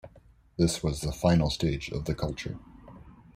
This was the final stage of the culture.